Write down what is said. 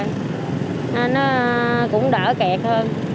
nên nó cũng đỡ kẹt hơn